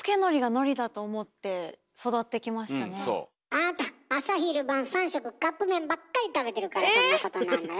あなた朝昼晩三食カップ麺ばっかり食べてるからそんなことになるのよ。